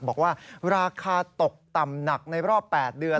บอกว่าราคาตกต่ำหนักในรอบ๘เดือน